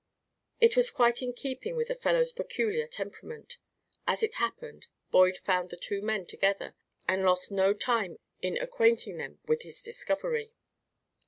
It was quite in keeping with the fellow's peculiar temperament. As it happened, Boyd found the two men together and lost no time in acquainting them with his discovery.